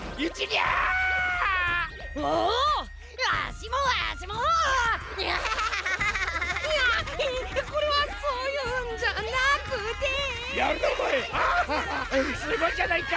アハハすごいじゃないか！